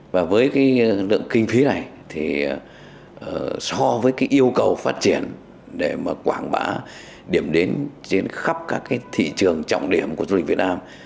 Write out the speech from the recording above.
và với lượng kinh phí này so với yêu cầu phát triển để quảng bá điểm đến trên khắp các thị trường trọng điểm của du lịch việt nam